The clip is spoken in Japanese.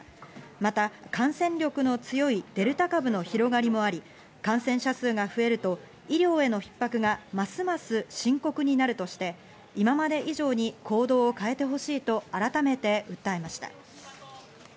また感染力の強いデルタ株の広がりもあり、感染者数が増えると、医療への逼迫がますます深刻になるとして、今まで以上に行動を変えて欲しいと改めて訴えました。